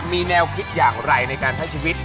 มีแนวคิดอย่างไรในการใช้ชีวิต